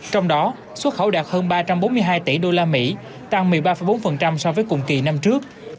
trong đó xuất khẩu đạt hơn ba trăm bốn mươi hai tỷ usd tăng một mươi ba bốn so với cùng kỳ năm trước